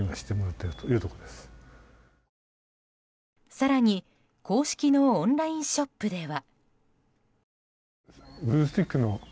更に、公式のオンラインショップでは。